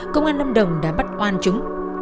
công an lâm đồng đã bắt oan chúng